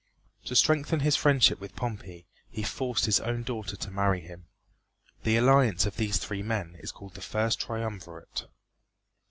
To strengthen his friendship with Pompey he forced his own daughter to marry him. The alliance of these three men is called the First Triumvirate.